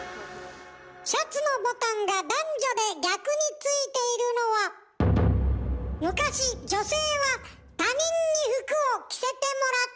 シャツのボタンが男女で逆に付いているのは昔女性は他人に服を着せてもらっていたから。